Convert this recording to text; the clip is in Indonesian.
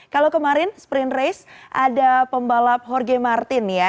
kalau kemarin sprint race ada pembalap jorge martin ya